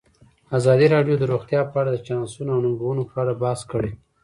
ازادي راډیو د روغتیا په اړه د چانسونو او ننګونو په اړه بحث کړی.